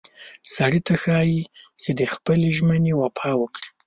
سړي ته ښایي چې د خپلې ژمنې وفا وکړي.